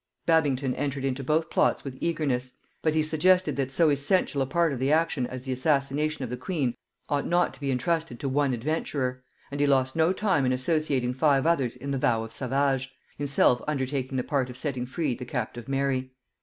Babington entered into both plots with eagerness; but he suggested, that so essential a part of the action as the assassination of the queen ought not to be intrusted to one adventurer; and he lost no time in associating five others in the vow of Savage, himself undertaking the part of setting free the captive Mary.